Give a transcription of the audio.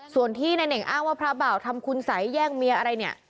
ส่วนที่นายเน่งอ้างว่าพระบ่าวทำคุณสัยแย่งเมียอะไรเนี่ย